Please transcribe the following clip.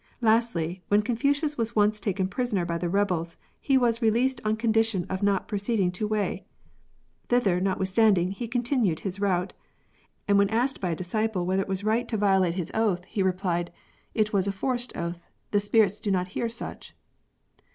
Lastly, when Confucius was once taken prisoner by the rebels, he was released on condition of not proceeding to Wei. " Thither, notwithstanding, he continued his route," and when asked by a disciple w^hether it was right to violate 128 LYING. his oath, he replied, " It was a forced oath. The spirits do not hear such."